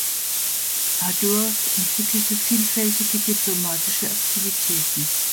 Ador entwickelte vielfältige diplomatische Aktivitäten.